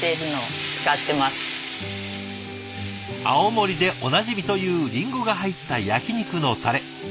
青森でおなじみというりんごが入った焼き肉のたれ。